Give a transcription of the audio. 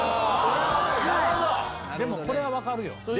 でもこれは分かるよ。